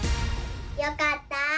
よかった！